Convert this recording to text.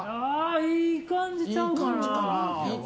いい感じちゃうかな。